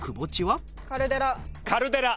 カルデラ。